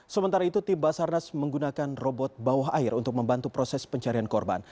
sementara itu tim basarnas menggunakan robot bawah air untuk membantu proses pencarian korban